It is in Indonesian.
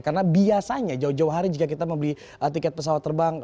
karena biasanya jauh jauh hari jika kita membeli tiket pesawat terbang